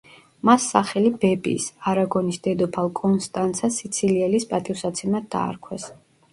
მას სახელი ბებიის, არაგონის დედოფალ კონსტანცა სიცილიელის პატივსაცემად დაარქვეს.